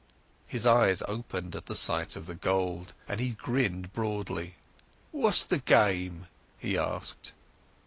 His eyes opened at the sight of the gold, and he grinned broadly. "Wot's the gyme?"he asked.